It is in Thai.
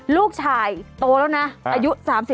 ลูกชายโตแล้วนะอายุ๓๕